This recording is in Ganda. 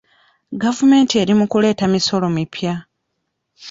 Gavumenti eri mu kuleeta misolo mipya.